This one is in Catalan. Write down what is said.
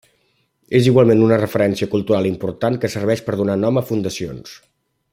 És igualment una referència cultural important, que serveix per donar nom a fundacions.